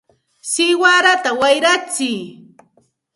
¡siwarata wayratsiy!